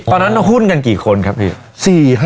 ตอนนั้นหุ้นกันกี่คนครับพี่